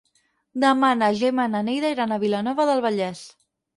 Demà na Gemma i na Neida iran a Vilanova del Vallès.